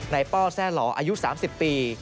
นายเป้าแซ่หลออายุ๓๐ปี